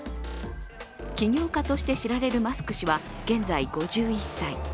起業家として知られるマスク氏は現在５１歳。